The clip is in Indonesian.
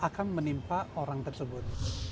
jadi kita bisa mencari tempat orang tersebut